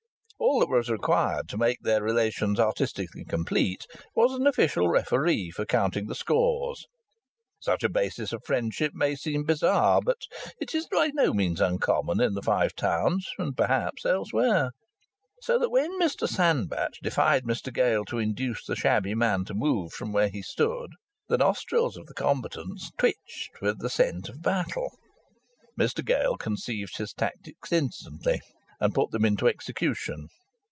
All that was required to make their relations artistically complete was an official referee for counting the scores. Such a basis of friendship may seem bizarre, but it is by no means uncommon in the Five Towns, and perhaps elsewhere. So that when Mr Sandbach defied Mr Gale to induce the shabby man to move from where he stood, the nostrils of the combatants twitched with the scent of battle. Mr Gale conceived his tactics instantly and put them into execution.